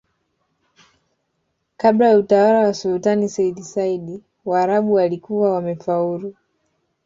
kabla ya utawala wa sulutani seyyid said Waarabu walikuwa wamefaulu